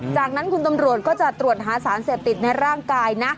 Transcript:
จากนั้นคุณตำรวจก็จะตรวจหาสารเสพติดในร่างกายนะ